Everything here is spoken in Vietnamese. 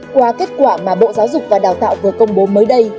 qua kết quả mà bộ giáo dục và đào tạo vừa công bố mới đây